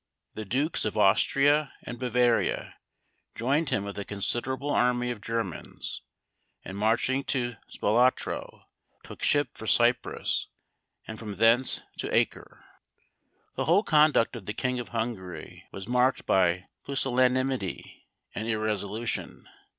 The Dukes of Austria and Bavaria joined him with a considerable army of Germans, and marching to Spalatro, took ship for Cyprus, and from thence to Acre. The whole conduct of the king of Hungary was marked by pusillanimity and irresolution.